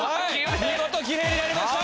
見事きれいになりました！